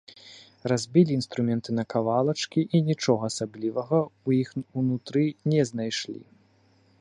Разбілі інструменты на кавалачкі і нічога асаблівага ў іх унутры не знайшлі.